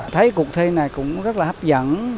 thấy cuộc thi này cũng rất là hấp dẫn